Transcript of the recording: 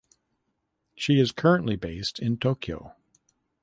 She is currently based in Tokyo.